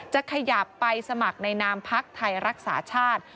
จะขยับไปสมัครในนามพักไทยรักษาชาติ